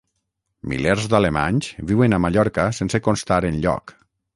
Milers d'alemanys viuen a Mallorca sense constar enlloc